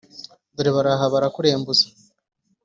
dore bari aha barakurembuza